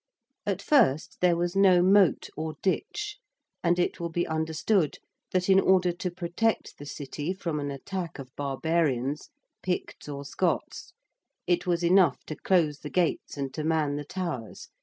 At first there was no moat or ditch, and it will be understood that in order to protect the City from an attack of barbarians Picts or Scots it was enough to close the gates and to man the towers.